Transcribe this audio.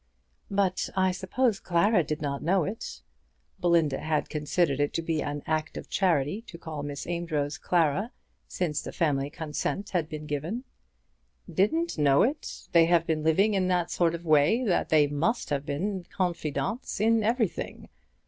"But I suppose Clara did not know it." Belinda had considered it to be an act of charity to call Miss Amedroz Clara since the family consent had been given. "Didn't know it! They have been living in that sort of way that they must have been confidantes in everything.